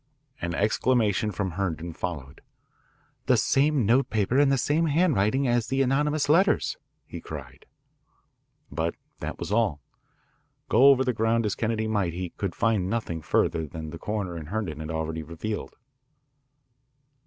An exclamation from Herndon followed. "The same notepaper and the same handwriting as the anonymous letters," he cried. But that was all. Go over the ground as Kennedy might he could find nothing further than the coroner and Herndon had already revealed.